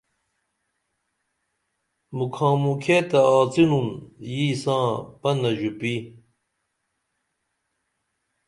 مُکھامُکھیہ تہ آڅینُن یی ساں پنہ ژُپی